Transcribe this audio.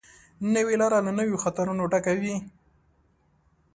نوې لاره له نویو خطرونو ډکه وي